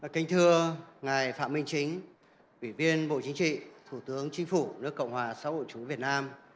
kính thưa ngài phạm minh chính ủy viên bộ chính trị thủ tướng chính phủ nước cộng hòa xã hội chủ việt nam